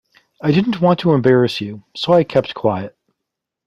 I didn't want to embarrass you so I kept quiet.